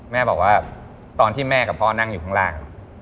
แม่บอกว่าตอนที่แม่กับพ่อนั่งอยู่ข้างล่าง